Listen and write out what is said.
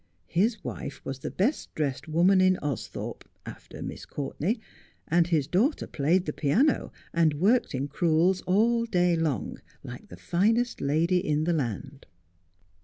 His wife was the best dressed woman in Austhorpe, after Miss Couvtenay, and his daughter played the piano and worked in crewels all day long, like the finest lady in the land.